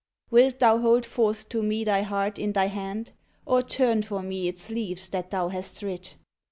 Wilt thou hold forth to Me thy heart in thy hand; or turn for Me its leaves that thou hast writ?